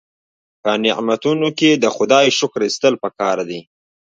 په نعمتونو کې د خدای شکر ایستل پکار دي.